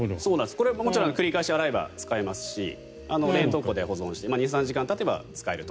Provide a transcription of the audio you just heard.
これ、もちろん繰り返し洗えば使えますし冷凍庫で保存して２３時間たてば使えると。